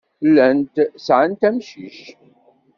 Llant sɛant amcic.